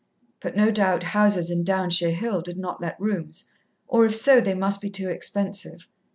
But no doubt houses in Downshire Hill did not let rooms, or if so they must be too expensive.